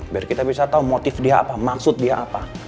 biar kita bisa tahu motif dia apa maksud dia apa